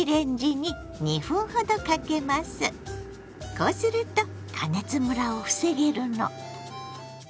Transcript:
こうすると加熱むらを防げるの。